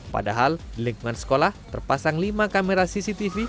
padahal di lingkungan sekolah terpasang lima kamera cctv